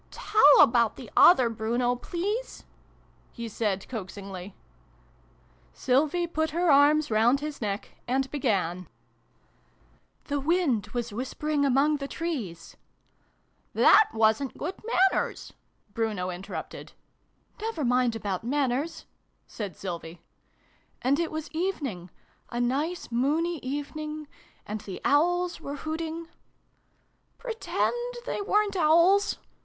" Tell about the other Bruno, please," he said coaxingly. Sylvie put her arms round his neck, and began : 214 SYLVIE AND BRUNO CONCLUDED. " The wind was whispering among the trees," ("That wasn't good manners!" Bruno in terrupted. " Never mind about manners/'' said Sylvie) " and it was evening a nice moony evening, and the Owls were hooting " Pretend they weren't Owls!